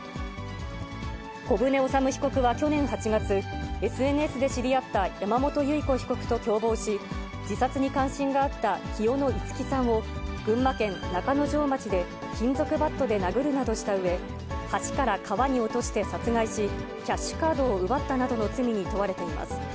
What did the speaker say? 小船治被告は去年８月、ＳＮＳで知り合った山本結子被告と共謀し、自殺に関心があった清野いつきさんを、群馬県中之条町で金属バットで殴るなどしたうえ、橋から川に落として殺害し、キャッシュカードを奪ったなどの罪に問われています。